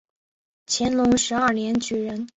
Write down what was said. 乾隆十二年举人。